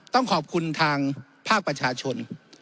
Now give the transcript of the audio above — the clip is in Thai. ต้องขอบคุณทางภาคประชาชน